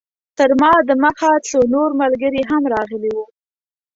تر ما د مخه څو نور ملګري هم راغلي وو.